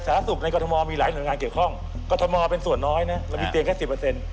สหรัฐศูนย์ในกรทมมีหลายหน่วยงานเกี่ยวข้องกรทมเป็นศูนย์น้อยนะมีเตียงแค่๑๐